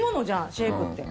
シェイクって。